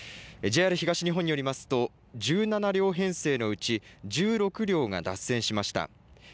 ＪＲ東日本によりますと１７両編成のうち１６両が脱線しました。